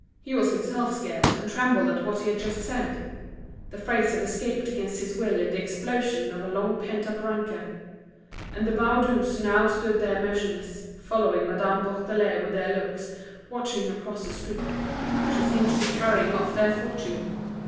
He was himself scared, and trembled at what he had just said. The phrase had escaped against his will in the explosion of a long pent up rancour. And the Baudus now stood there motionless, following Madame Bourdelais with their looks, watching her cross the street. She seemed to be carrying off their fortune.